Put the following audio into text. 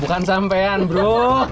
bukan sampean bro